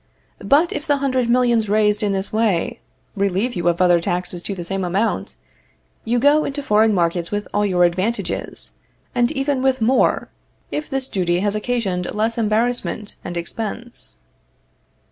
But, if the hundred millions raised in this way, relieve you of other taxes to the same amount, you go into foreign markets with all your advantages, and even with more, if this duty has occasioned less embarrassment and expense.